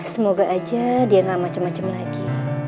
semoga aja dia gak macem macem lagi